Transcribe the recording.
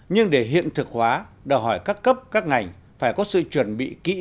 nhưng để hiện thực hóa đòi hỏi các cấp các ngành phải có sự chuẩn bị kỹ